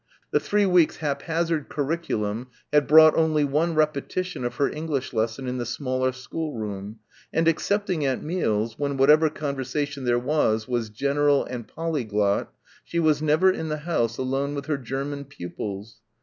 The three weeks' haphazard curriculum had brought only one repetition of her English lesson in the smaller schoolroom; and excepting at meals, when whatever conversation there was was general and polyglot, she was never, in the house, alone with her German pupils.